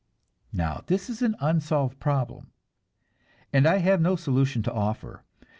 Now, this an unsolved problem, and I have no solution to offer.